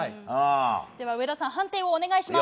では上田さん判定をお願いします。